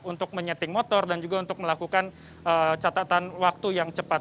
untuk menyeting motor dan juga untuk melakukan catatan waktu yang cepat